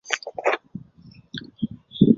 遇到续杯免费